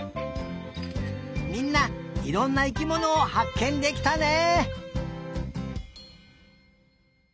みんないろんな生きものをはっけんできたね！